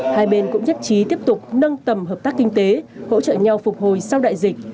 hai bên cũng nhất trí tiếp tục nâng tầm hợp tác kinh tế hỗ trợ nhau phục hồi sau đại dịch